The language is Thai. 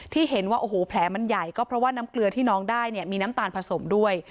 ที่เห็นว่าโอ้โหแผลมันใหญ่ก็เพราะว่าน้ำเกลือที่น้องได้เนี่ยมีน้ำตาลผสมด้วย